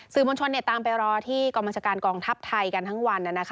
สื่อมวลชนตามไปรอที่กองบัญชาการกองทัพไทยกันทั้งวัน